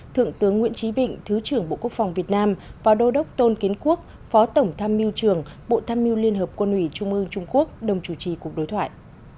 thượng tướng nguyễn trí vịnh thứ trưởng bộ quốc phòng việt nam và đô đốc tôn kiến quốc phó tổng tham mưu trường bộ tham mưu liên hợp quân ủy trung ương trung quốc đồng chủ trì cuộc đối thoại